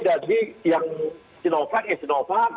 jadi yang sinovac ya sinovac